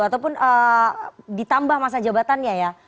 ataupun ditambah masa jabatannya ya